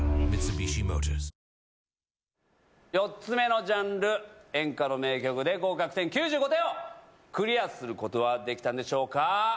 ４つ目のジャンル「演歌」の名曲で合格点９５点をクリアすることはできたんでしょうか。